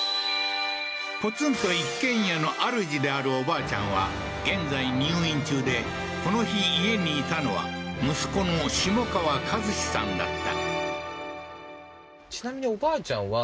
ポツンと一軒家のあるじであるおばあちゃんは現在入院中でこの日家にいたのは息子のされてる感じなんですか？